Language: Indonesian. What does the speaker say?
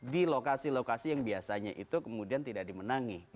di lokasi lokasi yang biasanya itu kemudian tidak dimenangi